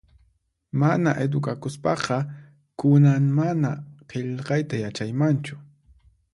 Mana edukakuspaqa kunan mana qillqayta yachaymanchu